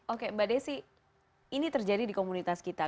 oke mbak desi ini terjadi di komunitas kita